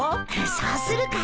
そうするか？